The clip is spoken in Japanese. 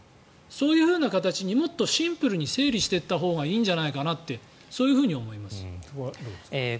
そういう形にもっとシンプルに整理していったほうがいいんじゃないかなってそこはどうですか？